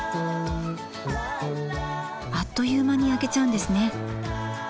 あっという間に焼けちゃうんですね。